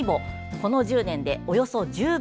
この１０年でおよそ１０倍。